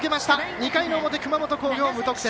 ２回の表、熊本工業、無得点。